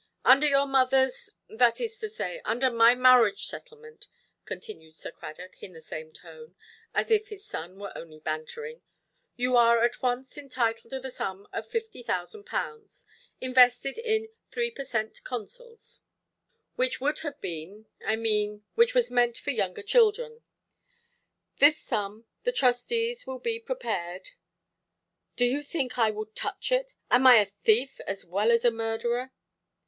"Under your motherʼs—that is to say, under my marriage–settlement", continued Sir Cradock, in the same tone, as if his son were only bantering, "you are at once entitled to the sum of 50,000_l._ invested in Three per Cent. Consols—which would have been—I mean, which was meant for younger children. This sum the trustees will be prepared——" "Do you think I will touch it? Am I a thief as well as a murderer"?